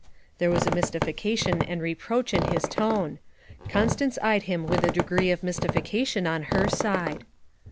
There was mystification and reproach in his tone. Constance eyed him with a degree of mystification on her side.